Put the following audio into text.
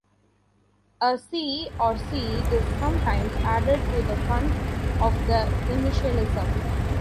A "c" or "C" is sometimes added to the front of the initialism.